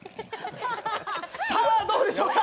さあ、どうでしょうか？